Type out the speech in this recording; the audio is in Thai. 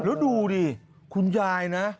แล้วดูดิคุณยายนะ